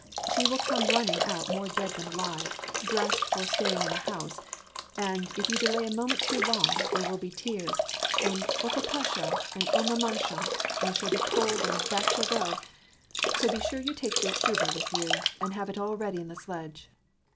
" She will come running out more dead than alive, dressed for staying in the house, and 374 ^^^ A^I> PEA en. if you delay a moment too long there will be tears, and '0 papasha !' and ' O mamasha !' and she'll be cold, and back she'll go. So be sure you take this shuba with you, and have it all ready in the sledge."